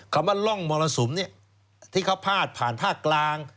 คำว่าร่องมรสุมที่เขาพาดผ่านภาคกลาง